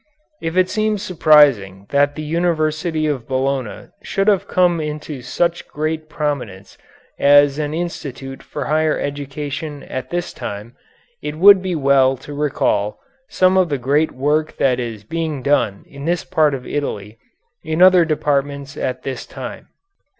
If it seems surprising that the University of Bologna should have come into such great prominence as an institute for higher education at this time, it would be well to recall some of the great work that is being done in this part of Italy in other departments at this time.